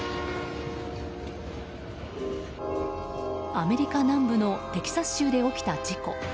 アメリカ南部のテキサス州で起きた事故。